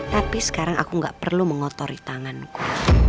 tapi sekarang aku gak perlu mengotori tanganku